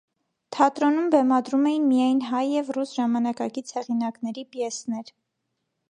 Թատրոնում բեմադրում էին միայն հայ և ռուս ժամանակակից հեղինակների պիեսներ։